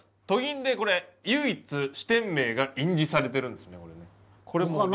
都銀でこれ唯一支店名が印字されてるんですねこれね。